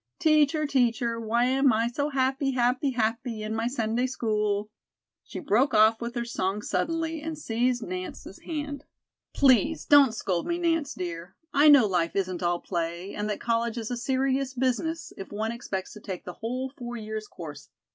"'Teacher, teacher, why am I so happy, happy, happy, In my Sunday school?'" She broke off with her song suddenly and seized Nance's hand. "Please don't scold me, Nance, dear. I know life isn't all play, and that college is a serious business if one expects to take the whole four years' course.